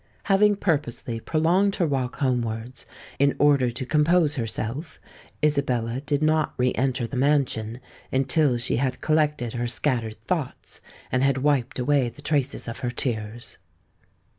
Having purposely prolonged her walk homewards, in order to compose herself, Isabella did not re enter the mansion until she had collected her scattered thoughts and had wiped away the traces of her tears.